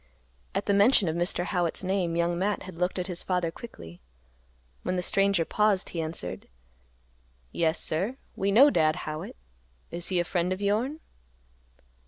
At mention of Mr. Howitt's name, Young Matt had looked at his father quickly. When the stranger paused, he answered, "Yes, sir. We know Dad Howitt. Is he a friend of yourn?"